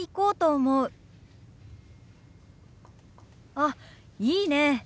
あっいいねえ。